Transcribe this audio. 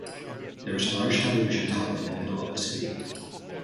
There is a large television tower in the middle of the city.